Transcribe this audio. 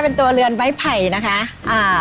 เป็นตัวเรือนไม้ไผ่นะคะอ่า